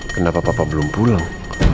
kenapa papa belum pulang